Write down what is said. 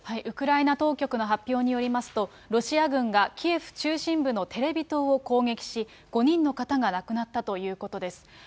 ウクライナ当局の発表によりますと、ロシア軍がキエフ中心部のテレビ塔を攻撃し、５人の方が亡くなったということです。